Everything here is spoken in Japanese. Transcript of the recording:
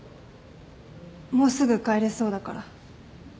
もうすぐ帰れそうだから。